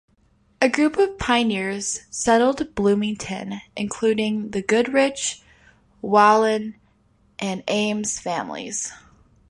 A group of pioneers settled Bloomington, including the Goodrich, Whalon, and Ames families.